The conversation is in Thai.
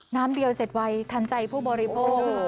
น้ำเดียวเสร็จไว้ทันใจผู้บริโภค